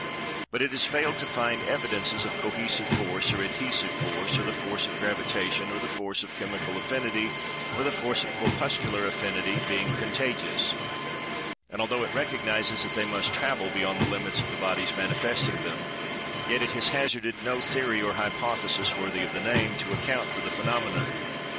But is has failed to find evidences of Cohesive Force, or Adhesive Force, or the Force of Gravitation, or the Force of Chemical Affinity, or the Force of Corpuscular Affinity, being "contagious," and although it recognizes that they must "travel" beyond the limits of the bodies manifesting them, yet it has hazarded no theory or hypothesis, worthy of the name, to account for the phenomenon.